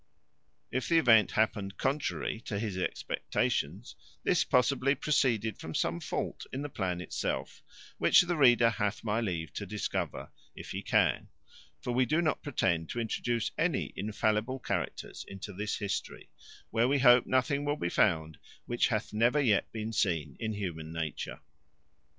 If the event happened contrary to his expectations, this possibly proceeded from some fault in the plan itself; which the reader hath my leave to discover, if he can: for we do not pretend to introduce any infallible characters into this history; where we hope nothing will be found which hath never yet been seen in human nature.